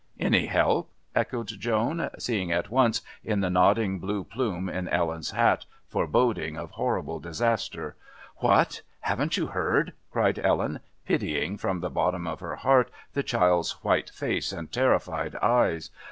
"Any help?" echoed Joan, seeing at once, in the nodding blue plume in Ellen's hat, forebodings of horrible disaster. "What, haven't you heard?" cried Ellen, pitying from the bottom of her heart the child's white face and terrified eyes.